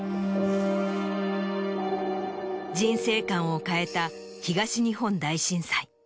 人生観を変えた東日本大震災。